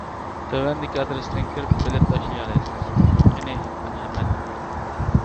تۆۋەندىكى ئادرېستىن كىرىپ بېلەت تاشلىيالايسىز: قېنى، مەرھەمەت!